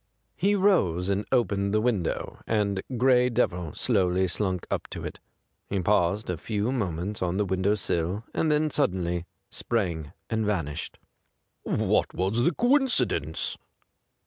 He rose and opened the window, and Gray Devil slowly slunk up to it. He paused a few monments on the window sill and then suddenly sprang and vanished. 'What was the coincidence?'